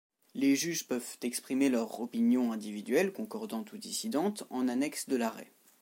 Les juges peuvent exprimer leur opinion individuelle, concordante ou dissidente, en annexe de l'arrêt.